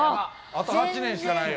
あと８年しかないよ。